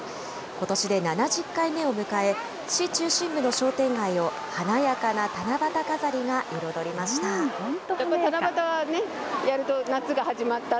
ことしで７０回目を迎え、市中心部の商店街を華やかな七夕飾りが彩りました。